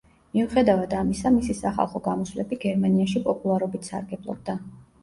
მიუხედავად ამისა მისი სახალხო გამოსვლები გერმანიაში პოპულარობით სარგებლობდა.